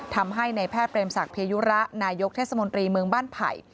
ทำให้ในแพทย์เรมศักดิยุระนายกเทศมนตรีเมืองบ้านไผ่